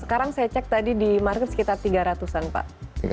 sekarang saya cek tadi di market sekitar tiga ratus an pak